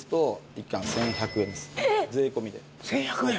１１００円！？